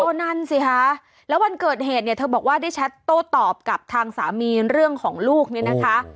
นั่นสิคะแล้ววันเกิดเหตุเนี่ยเธอบอกว่าได้แชทโต้ตอบกับทางสามีเรื่องของลูกเนี่ยนะคะ